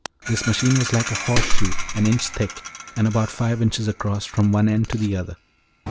This machine was like a horse shoe, an inch thick and about five inches across from one end to the other.